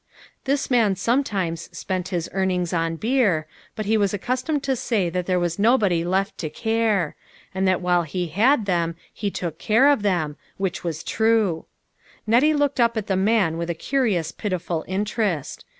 This man sometimes spent his earnings on beer, but he was accus tomed to say that there was nobody left to care ; and that while he had them, he took care of them ; which was true. Nettie looked up at the man with a curious pitiful interest.